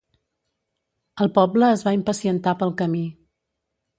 El poble es va impacientar pel camí.